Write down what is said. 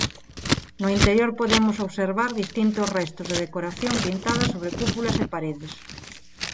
No interior podemos observar distintos restos de decoración pintada sobre cúpulas e paredes.